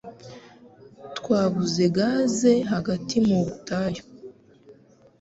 Twabuze gaze hagati mu butayu